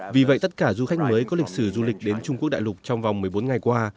vì vậy tất cả du khách mới có lịch sử du lịch đến trung quốc đại lục trong vòng một mươi bốn ngày qua